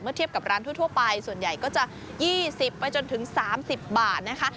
เทียบกับร้านทั่วไปส่วนใหญ่ก็จะ๒๐ไปจนถึง๓๐บาทนะคะ